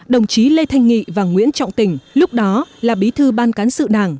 đồng chí lê thanh nghị và nguyễn trọng tỉnh lúc đó là bí thư ban cán sự đảng